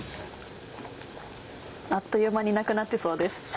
あっという間になくなってそうです。